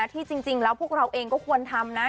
ที่จริงแล้วพวกเราเองก็ควรทำนะ